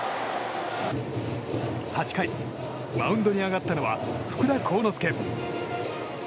８回、マウンドに上がったのは福田幸之介。